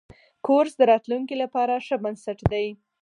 کورس د راتلونکي لپاره ښه بنسټ دی.